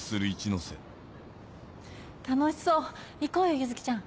楽しそう行こうよ結月ちゃん。